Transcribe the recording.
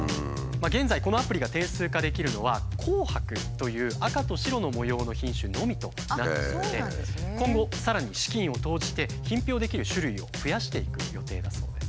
現在このアプリが点数化できるのは「紅白」という赤と白の模様の品種のみとなっていて今後さらに資金を投じて品評できる種類を増やしていく予定だそうです。